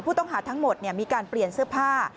ผู้ต้องหาทั้งหมดมีการเปลี่ยนเสื้อผ้า